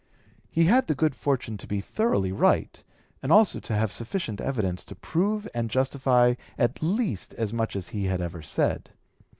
He had the good fortune to be thoroughly right, and also to have sufficient evidence to prove and justify at least as much as he had ever said.